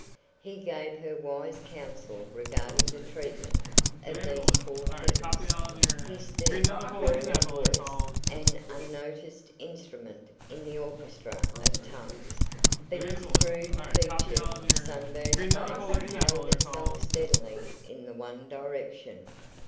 He gave her wise counsel regarding the treatment of these poor things, his deep, drawling voice an unnoticed instrument in the orchestra of tongues; but his crude featured, sunburnt face held itself steadily in the one direction.